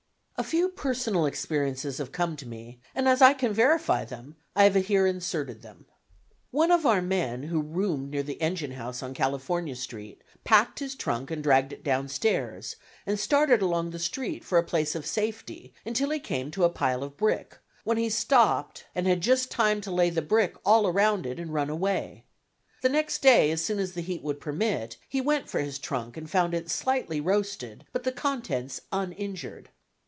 A few personal experiences have come to me, and as I can verify them, I have here inserted them. One of our men who roomed near the engine house on California Street, packed his trunk and dragged it downstairs, and started along the street for a place of safety until he came to a pile of brick, when he stopped and had just time to lay the brick all around it and run away. The next day as soon as the heat would permit, he went for his trunk and found it slightly roasted, but the contents uninjured.